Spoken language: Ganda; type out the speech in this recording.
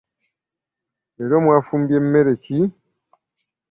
Leero mwafumbye mmere ki?